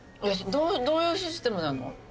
どういうシステムなの？